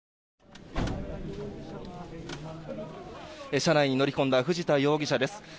車内に乗り込んだ藤田容疑者です。